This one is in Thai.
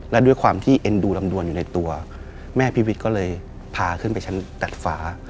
และด้วยความที่เอ็นดูลำดวนอยู่ในตัวแม่พี่วิทย์ก็เลยพาขึ้นไปชั้นตัดฝา